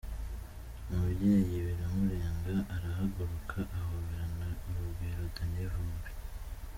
Umubyeyi biramurenga arahaguruka ahoberana urugwiro Danny Vumbi.